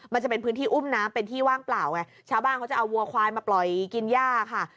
มันจะเป็นพื้นที่อุ้มน้ำเป็นที่ว่างเปล่าไงชาวบ้านเขาจะเอาวัวควายมาปล่อยกินย่าค่ะ